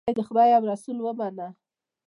جینۍ د خدای او د رسول ومنه